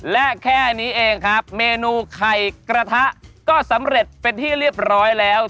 และแค่นี้เองครับเมนูไข่กระทะก็สำเร็จเป็นที่เรียบร้อยแล้ว